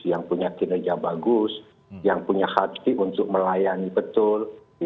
yang punya kinerja bagus yang punya hati untuk melayani betul